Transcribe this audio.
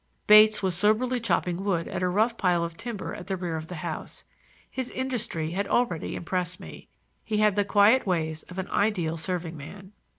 Bates was soberly chopping wood at a rough pile of timber at the rear of the house. His industry had already impressed me. He had the quiet ways of an ideal serving man.